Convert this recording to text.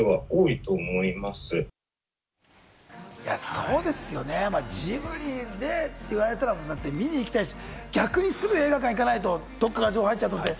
そうですよね、ジブリでって言われたら、見に行きたいし、逆にすぐ映画館行かないと、どっかから情報が入っちゃうって。